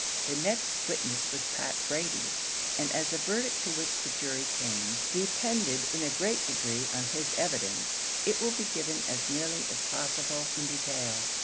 The next witness was Pat Brady, and as the verdict to which the jury came, depended in a great degree on his evidence, it will be given as nearly as possible in detail.